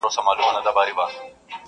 ما له کيسې ژور اغېز واخيست.